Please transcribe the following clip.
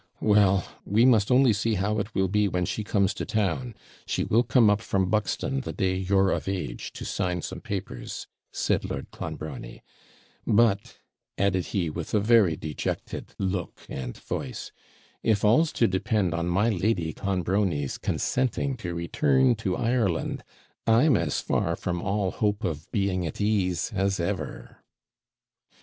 'Well, we must only see how it will be when she comes to town; she will come up from Buxton the day you're of age to sign some papers,' said Lord Clonbrony; 'but,' added he, with a very dejected look and voice, 'if all's to depend on my Lady Clonbrony's consenting to return to Ireland, I'm as far from all hope of being at ease as ever.'